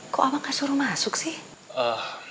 kok abang gak suruh masuk sih